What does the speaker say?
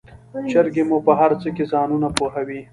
چرګې مو په هرڅه کې ځانونه پوهوي.